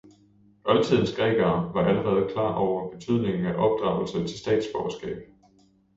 Oldtidens grækere var allerede klar over betydningen af opdragelse til statsborgerskab.